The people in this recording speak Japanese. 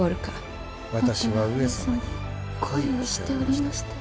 私は上様に恋をしておりましたよ。